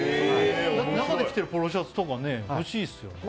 中で着ているポロシャツとか、欲しいですよね。